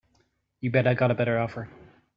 You bet I've got a better offer.